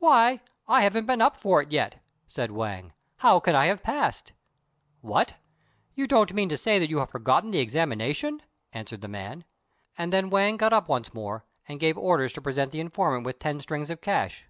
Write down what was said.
"Why, I haven't been up for it yet;" said Wang, "how can I have passed?" "What! you don't mean to say you have forgotten the examination?" answered the man; and then Wang got up once more, and gave orders to present the informant with ten strings of cash.